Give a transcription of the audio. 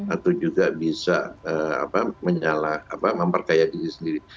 atau juga bisa memperkaya diri sendiri